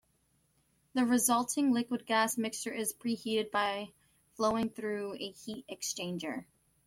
The resulting liquid-gas mixture is preheated by flowing through a heat exchanger.